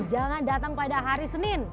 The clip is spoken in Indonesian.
jangan datang pada hari senin